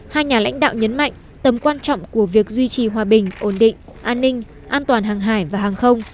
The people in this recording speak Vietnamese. hai nhà lãnh đạo nhấn mạnh tầm quan trọng của việc duy trì hòa bình ổn định an ninh an toàn hàng hải và hàng không